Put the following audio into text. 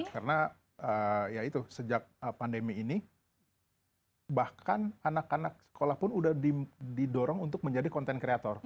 karena ya itu sejak pandemi ini bahkan anak anak sekolah pun sudah didorong untuk menjadi content creator